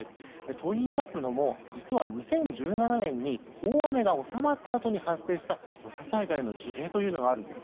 といいますのも実は２０１７年に大雨が収まったあとに発生した土砂災害の事例があるんです。